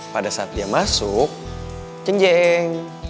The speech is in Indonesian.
pada saat dia masuk ceng ceng